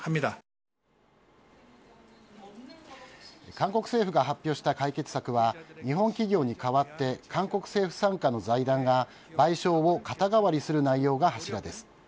韓国政府が発表した解決策は日本企業に代わって韓国政府傘下の財団が賠償を肩代わりする内容が柱です。